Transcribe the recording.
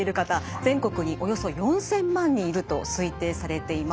全国におよそ４，０００万人いると推定されています。